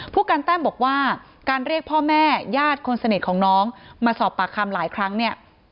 ผู้การแต้มบอกว่าการเรียกพ่อแม่ญาติคนสนิทของน้องมาสอบปากคำหลายครั้งเนี่ย